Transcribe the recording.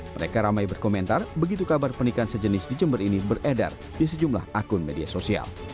mereka ramai berkomentar begitu kabar pernikahan sejenis di jember ini beredar di sejumlah akun media sosial